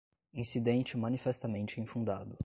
incidente manifestamente infundado